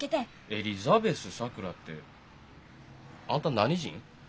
エリザベス・さくらってあんた何人？